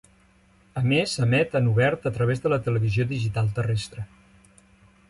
A més emet en obert a través de la Televisió Digital Terrestre.